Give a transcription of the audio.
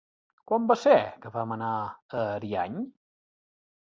Quan va ser que vam anar a Ariany?